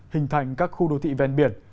hình thành các khu đô thị ven biển